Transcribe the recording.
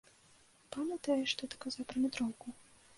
Памятаеш, што ты казаў пра метроўку?